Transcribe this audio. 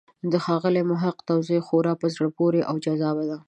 د ښاغلي محق توضیح خورا په زړه پورې او جذابه ده.